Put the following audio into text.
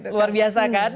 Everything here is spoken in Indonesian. luar biasa kan